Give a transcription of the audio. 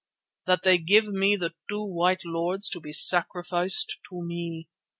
That they give me the two white lords to be sacrificed to me.